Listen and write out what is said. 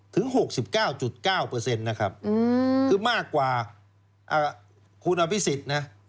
ถึง๖๙๙นะครับคือมากกว่าคุณอภิษฎนะ